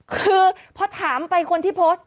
คือพอถามไปคนที่โพสต์